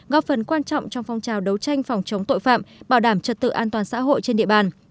góp phần quan trọng trong phong trào đấu tranh phòng chống tội phạm bảo đảm trật tự an toàn xã hội trên địa bàn